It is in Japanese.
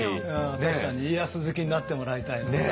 舘さんに家康好きになってもらいたいね。